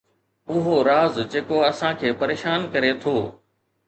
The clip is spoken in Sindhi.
اهو راز جيڪو اسان کي پريشان ڪري ٿو